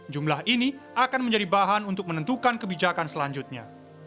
jumlah ini akan menjadi bahan untuk menentukan kebijakan selanjutnya